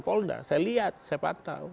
polda saya lihat saya pantau